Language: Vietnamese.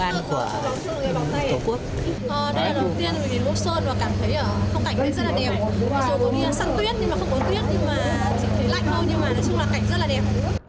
nhưng mà nói chung là cảnh rất là đẹp